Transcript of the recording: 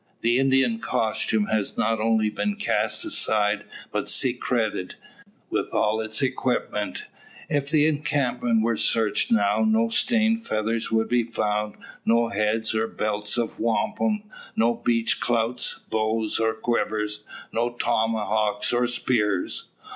The Indian costume has not only been cast aside, but secreted, with all its equipments. If the encampment were searched now, no stained feathers would be found; no beads or belts of wampum; no breech clouts, bows, or quivers; no tomahawks or spears.